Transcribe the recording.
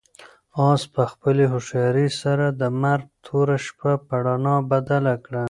آس په خپلې هوښیارۍ سره د مرګ توره شپه په رڼا بدله کړه.